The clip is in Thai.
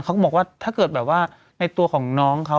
เขาบอกว่าถ้าเกิดแบบว่าในตัวของน้องเขา